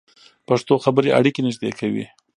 پښتو خبرې اړیکې نږدې کوي.